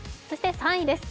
３位です。